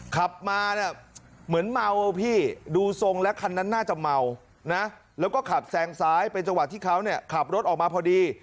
ขับมาเนี่ยเหมือนเมาพี่ดูทรงแล้วคันนั้นน่าจะเมานะแล้วก็ขับแซงซ้ายเป็นจังหวะที่เขาเนี่ยขับรถออกมาพอดี